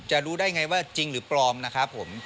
รู้ได้ไงว่าจริงหรือปลอมนะครับผม